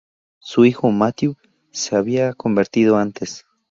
Su hijo, Matthew, se había convertido antes.